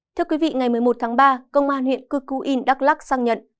thưa quý vị ngày một mươi một tháng ba công an huyện cư cư yên đắk lắc xăng nhận